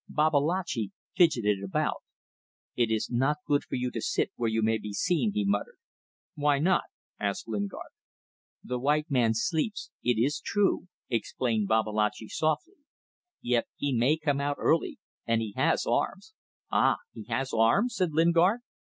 Babalatchi fidgeted about. "It is not good for you to sit where you may be seen," he muttered. "Why not?" asked Lingard. "The white man sleeps, it is true," explained Babalatchi, softly; "yet he may come out early, and he has arms." "Ah! he has arms?" said Lingard.